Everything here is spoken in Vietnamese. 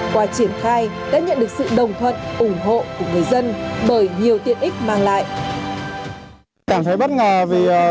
qua triển khai đã nhận được sự đồng thuận ủng hộ của người dân bởi nhiều tiện ích mang lại